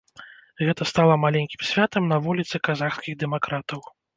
Гэта стала маленькім святам на вуліцы казахскіх дэмакратаў.